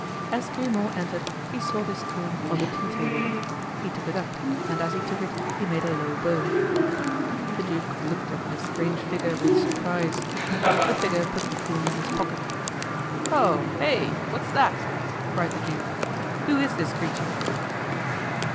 As Grimaud entered he saw this comb on the tea table; he took it up, and as he took it he made a low bow. The duke looked at this strange figure with surprise. The figure put the comb in its pocket. "Ho! hey! what's that?" cried the duke. "Who is this creature?"